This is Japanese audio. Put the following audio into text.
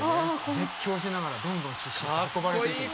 絶叫しながらどんどん失神して運ばれていくの。